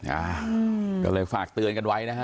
อ่าก็เลยฝากเตือนกันไว้นะฮะ